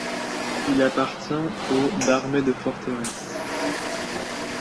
Il appartient au d'armée de forteresse.